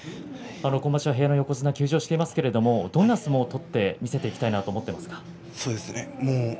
今場所、部屋の横綱休場していますがどんな相撲を取って見せていきたいと思いますか。